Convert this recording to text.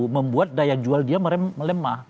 membuat daya jual dia melemah